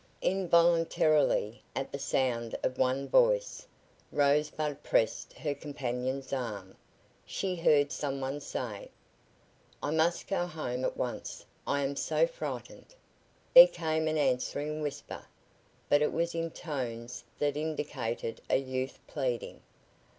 Involuntarily, at the sound of one voice, Rosebud pressed her companion's arm. She heard some one say: "I must go home at once I am so frightened!" There came an answering whisper, but it was in tones that indicated a youth pleading.